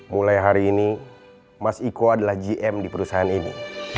mulai hari ini mas iko adalah gm di perusahaan ini